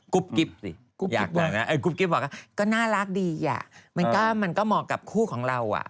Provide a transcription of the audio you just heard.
กิ๊บสิอยากบอกนะกุ๊บกิ๊บบอกว่าก็น่ารักดีอ่ะมันก็เหมาะกับคู่ของเราอ่ะ